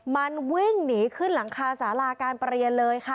มันวิ่งหนีขึ้นหลังคาสาราการประเรียนเลยค่ะ